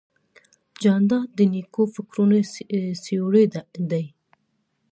جانداد د نیکو فکرونو سیوری دی.